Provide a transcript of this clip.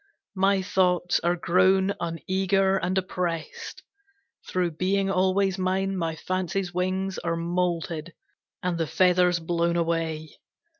My thoughts are grown uneager and depressed Through being always mine, my fancy's wings Are moulted and the feathers blown away.